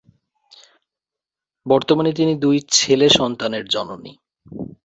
বর্তমানে তিনি দুই ছেলে সন্তানের জননী।